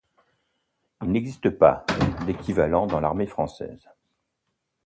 Il n'existe pas d'équivalent dans l'armée française.